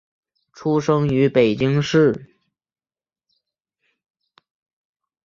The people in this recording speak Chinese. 出生于北京市。